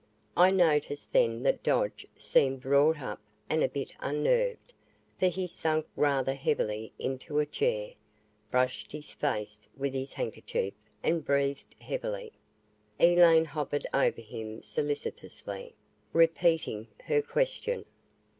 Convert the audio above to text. I noticed then that Dodge seemed wrought up and a bit unnerved, for he sank rather heavily into a chair, brushed his face with his handkerchief and breathed heavily. Elaine hovered over him solicitously, repeating her question.